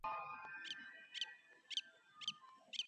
约克城是位于英国英格兰约克的一座城堡。